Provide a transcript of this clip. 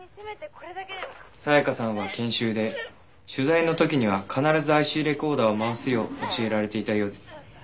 紗香さんは研修で取材の時には必ずＩＣレコーダーを回すよう教えられていたようです。